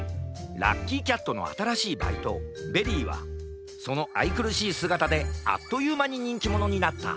ラッキーキャットのあたらしいバイトベリーはそのあいくるしいすがたであっというまににんきものになった。